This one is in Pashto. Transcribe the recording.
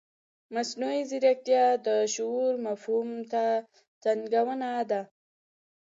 مصنوعي ځیرکتیا د شعور مفهوم ته ننګونه ده.